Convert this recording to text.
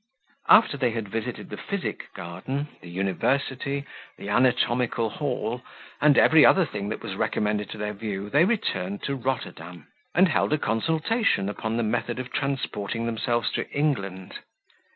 After they had visited the physic garden, the university, the anatomical hall, and every other thing that was recommended to their view, they returned to Rotterdam, and held a consultation upon the method of transporting themselves to England.